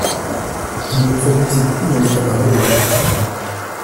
Je ne me produisais plus dans les cabarets de la capitale.